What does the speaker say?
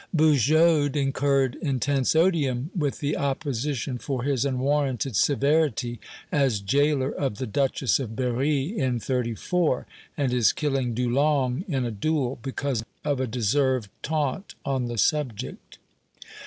"Bugeaud incurred intense odium with the opposition for his unwarranted severity as jailor of the Duchess of Berri, in '34, and his killing Dulong in a duel, because of a deserved taunt on the subject."